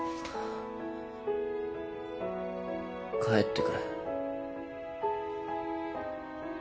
帰ってくれ。